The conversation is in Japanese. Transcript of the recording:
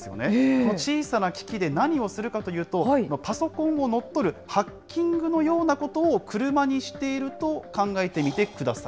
この小さな機器で何をするかというと、パソコンを乗っ取るハッキングのようなことを車にしていると考えてみてください。